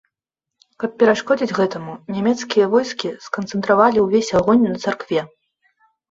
Каб перашкодзіць гэтаму, нямецкія войскі сканцэнтравалі ўвесь агонь на царкве.